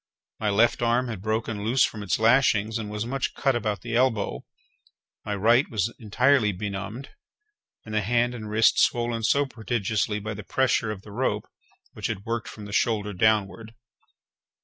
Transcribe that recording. My left arm had broken loose from its lashings, and was much cut about the elbow; my right was entirely benumbed, and the hand and wrist swollen prodigiously by the pressure of the rope, which had worked from the shoulder downward.